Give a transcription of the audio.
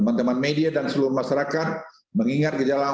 d maneuver ramen yang tanah benar menghilangkan market menggunakan baduk dan heart api